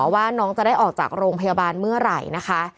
ว่าน้องจะได้ออกจากโรงพยาบาลเมื่อไหร่นะคะ